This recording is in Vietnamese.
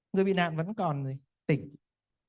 người bị nạn vẫn còn tỉnh